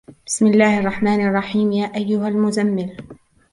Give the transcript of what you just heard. بسم الله الرحمن الرحيم يا أيها المزمل